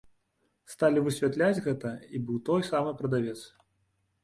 Сталі высвятляць, гэта і быў той самы прадавец.